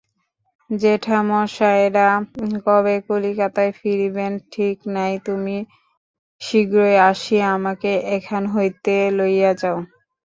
জেঠামশায়রা কবে কলিকাতায় ফিরিবেন, ঠিক নাই–তুমি শীঘ্র আসিয়া আমাকে এখান হইতে লইয়া যাও।